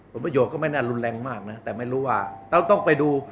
ผลประโยชน์ก็ไม่น่ารุนแรงมากนะแต่ไม่รู้ว่าต้องไปดู